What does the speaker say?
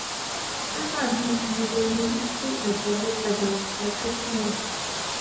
Sábàbí ire ní ikú Àjàgbé padà já sí fún wa.